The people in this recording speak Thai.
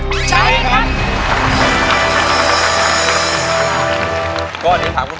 เพลงนี้ที่๕หมื่นบาทแล้วน้องแคน